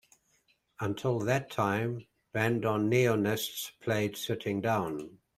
Until that time bandoneonists played sitting down.